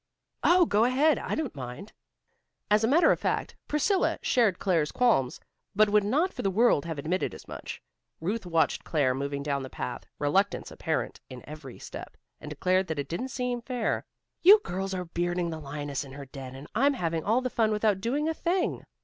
"Oh, go ahead, I don't mind." As a matter of fact, Priscilla shared Claire's qualms, but would not for the world have admitted as much. Ruth watched Claire moving down the path, reluctance apparent in every step, and declared that it didn't seem fair. "You girls are bearding the lioness in her den and I'm having all the fun without doing a thing.